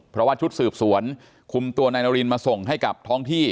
เพราะว่าชุดสืบสวนคุมตัวนายนารินมาส่งให้กับท้องที่